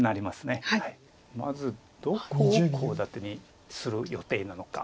まずどこをコウ立てにする予定なのか。